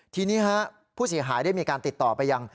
ทีนี้คะผู้เสียหายได้ติดต่อไปยัง